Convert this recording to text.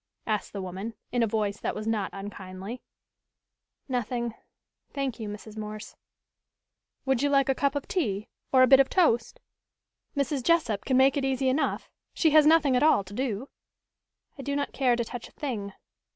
asked the woman, in a voice that was not unkindly. "Nothing, thank you, Mrs. Morse." "Would you like a cup of tea, or a bit of toast? Mrs. Jessup can make it easy enough she has nothing at all to do." "I do not care to touch a thing."